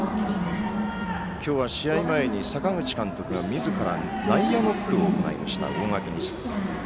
今日は試合前に阪口監督がみずから内野ノックを行いました大垣日大。